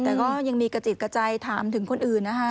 แต่ก็ยังมีกระจิตกระจายถามถึงคนอื่นนะคะ